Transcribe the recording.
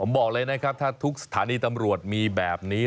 บอกเลยนะครับถ้าทุกสถานีตำรวจมีแบบนี้